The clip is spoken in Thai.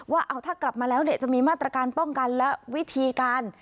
ว่าเอาถ้ากลับมาแล้วจะมีมาตรการป้องกันและวิธีการ